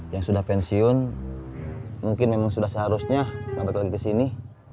yang sudah pensiun mungkin memang sudah seharusnya balik lagi ke sini